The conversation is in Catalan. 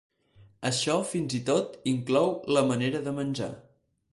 Això fins i tot inclou la manera de menjar.